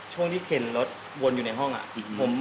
ช่วงที่เข็นรถวนอยู่ในห้องอะ